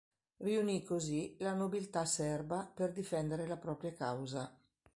Riunì, così, la nobiltà serba per difendere la propria causa.